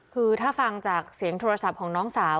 คือถ้าฟังจากเสียงโทรศัพท์ของน้องสาว